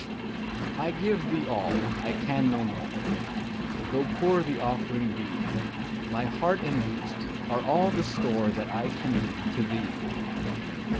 I give thee all I can no more Tho' poor the offering be; My heart and lute are all the store That I can bring to thee.